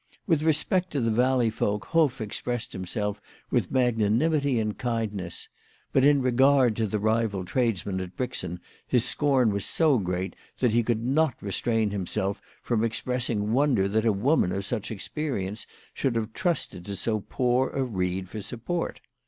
With respect to the valley folk Hoff expressed himself with magna nimity and kindness ; but in regard to the rival trades man at Brixen his scorn was so great that he could not restrain himself from expressing wonder that a woman of such experience should have trusted to so poor a reed for support.